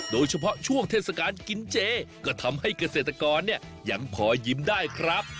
โดยเฉพาะช่วงเทศกาลกินเจก็ทำให้เกษตรกรเนี่ยยังพอยิ้มได้ครับ